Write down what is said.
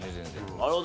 なるほど。